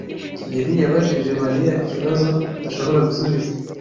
kigeli yabajije Mariya ikibazo adashobora gusubiza.